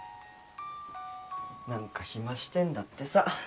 何か暇してんだってさ